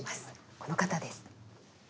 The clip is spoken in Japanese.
この方です。